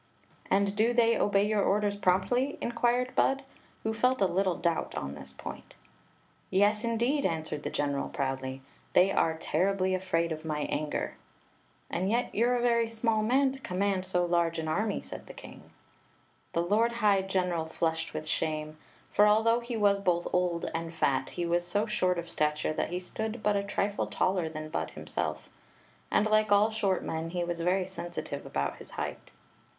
"And dp they obey your orders promptly?" in quired Bud, who felt a little doubt on this point "Yes, indeed!" answered the general, proudly. "They are terribly afraid of my anger." " And yet you re a very small man to ccmimand so large an army," said the king. The lord high geoml flushed with shame ; for, although he was both old and fet, he was so short of ii8 Queen Zixi of Ix; or, the stature that he stood but a trifle taller than Bud him self. And, like all short men, he was very senutive about his height.